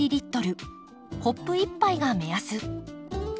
コップ１杯が目安。